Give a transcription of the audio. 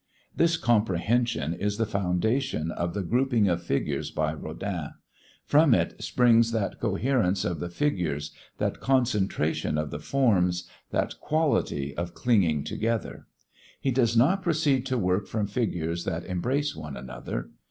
This comprehension is the foundation of the grouping of figures by Rodin; from it springs that coherence of the figures, that concentration of the forms, that quality of clinging together. He does not proceed to work from figures that embrace one another.